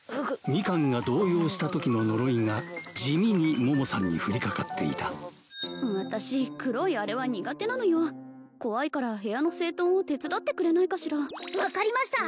ミカンが動揺したときの呪いが地味に桃さんに降りかかっていた私黒いあれは苦手なのよ怖いから部屋の整頓を手伝ってくれないかしら分かりました！